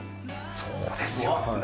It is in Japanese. そうですよね。